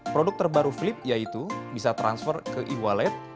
produk terbaru flip yaitu bisa transfer ke e wallet